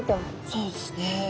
そうですね。